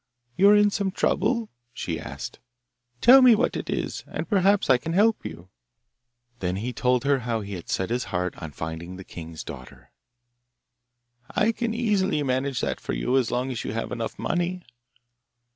'You are in some trouble?' she asked. 'Tell me what it is, and perhaps I can help you.' Then he told her how he had set his heart on finding the king's daughter. 'I can easily manage that for you as long as you have enough money.